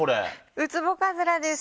ウツボカズラです。